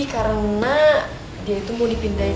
karena dia tuh mau dipindahin